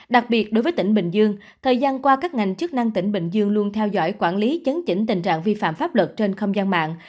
đặc biệt đối với tỉnh bình dương thời gian qua các ngành chức năng tỉnh bình dương luôn theo dõi quản lý chấn chỉnh tình trạng vi phạm pháp luật trên không gian mạng